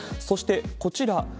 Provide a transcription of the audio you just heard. そして、こちら。